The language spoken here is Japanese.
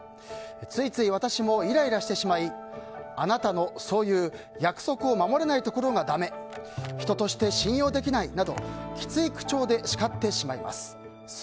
ついつい私もイライラしてしまいあなたの、そういう約束を守れないところがだめ人として信用できないなどきつい口調で叱ってしまいます。